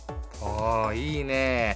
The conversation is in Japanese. おいいね。